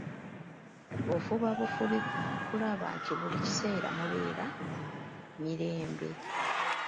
Ofuba bufubi kulaba nti buli kiseera mubeera mirembe.